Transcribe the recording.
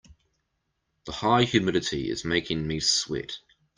The high humidity is making me sweat.